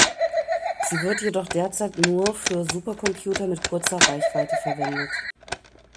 Sie wird jedoch derzeit nur für Supercomputer mit kurzer Reichweite verwendet.